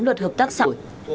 lượt hợp tác sẵn